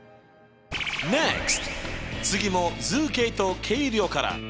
次も「図形と計量」から。